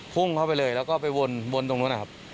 พุ่งเข้าไปเลยแล้วก็ไปวนตรงนู้นนะครับ